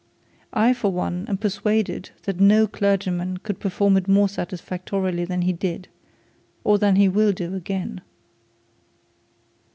I for one, am persuaded that no clergyman could perform it more satisfactorily than he did, or than he will do again.